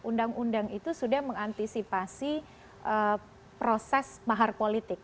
undang undang itu sudah mengantisipasi proses mahar politik